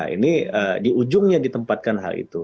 ini di ujungnya ditempatkan hal itu